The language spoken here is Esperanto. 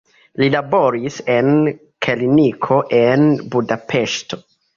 Li laboris en kliniko en Budapeŝto.